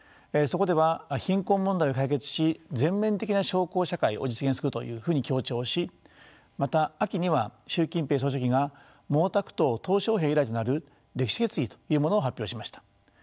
そこでは貧困問題を解決し全面的な小康社会を実現するというふうに強調しまた秋には習近平総書記が毛沢東小平以来となる歴史決議というものを発表しました。